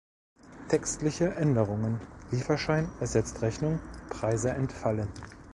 Textliche Änderungen: "Lieferschein" ersetzt "Rechnung", Preise entfallen.